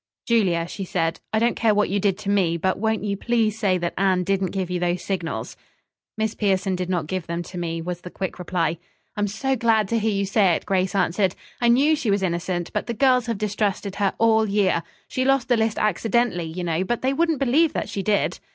"Julia," she said, "I don't care what you did to me; but won't you please say that Anne didn't give you those signals?" "Miss Pierson did not give them to me," was the quick reply. "I'm so glad to hear you say it," Grace answered. "I knew she was innocent, but the girls have distrusted her all year. She lost the list accidentally, you know, but they wouldn't believe that she did."